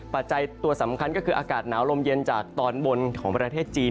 ปัจจัยตัวสำคัญก็คืออากาศหนาวลมเย็นจากตอนบนของประเทศจีน